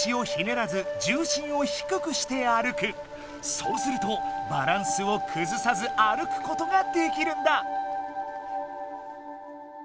そうするとバランスをくずさず歩くことができるんだ！